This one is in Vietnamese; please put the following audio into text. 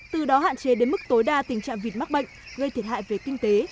từ đó hạn chế đến mức tối đa tình trạng vịt mắc bệnh gây thiệt hại về kinh tế